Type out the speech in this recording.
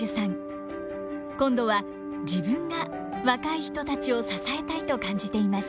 今度は自分が若い人たちを支えたいと感じています。